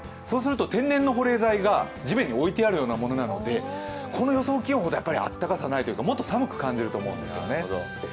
そうすると天然の保冷剤が地面に置いてあるようなものなのでこの予想気温ほど暖かさはないというかもっと寒く感じると思うんですね。